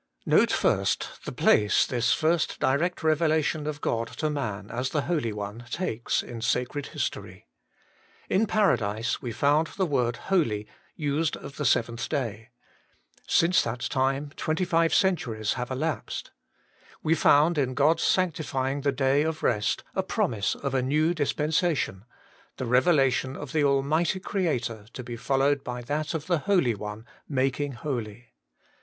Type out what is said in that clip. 1. Note the place this first direct revelation of God to man as the Holy One takes in sacred history. In Paradise we found the word Holy used of the seventh day. Since that time twenty HOLINESS AND REVELATION. 37 five centuries have elapsed. We found in God's sanctifying the day of rest a promise of a new dispensation the revelation of the Almighty Creator to be followed by that of the Holy One making holy.